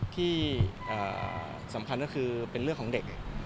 ที่สำคัญก็คือเป็นเรื่องของเด็ก